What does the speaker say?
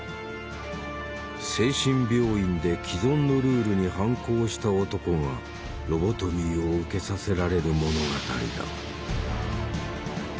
精神病院で既存のルールに反抗した男がロボトミーを受けさせられる物語だ。